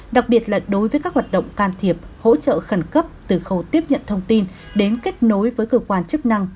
đặc biệt là đối với các hoạt động can thiệp hỗ trợ khẩn cấp từ khâu tiếp nhận thông tin đến kết nối với cơ quan chức năng